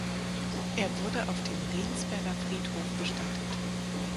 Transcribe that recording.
Er wurde auf dem Riensberger Friedhof bestattet.